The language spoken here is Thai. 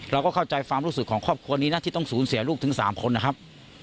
เราก็เข้าใจความรู้สึกของครอบครัวนี้นะที่ต้องสูญเสียลูกถึง๓คนนะครับ